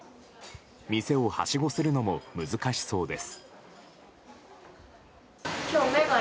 店をはしごするのも難しそうです。